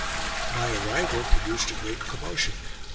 My arrival produced a great commotion.